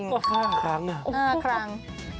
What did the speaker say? จริงคลังน่ะโอ้โฮคลัง